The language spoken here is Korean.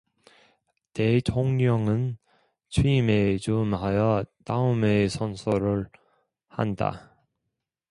대통령은 취임에 즈음하여 다음의 선서를 한다.